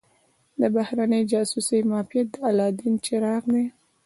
د بهرنۍ جاسوسۍ معافیت د الله دین چراغ دی.